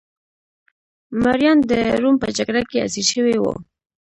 مریان د روم په جګړه کې اسیر شوي وو